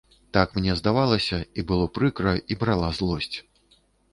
Так мне здавалася, і было прыкра, і брала злосць.